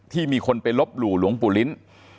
ที่มีคนลบหลู่หลวงปู่ลิ้น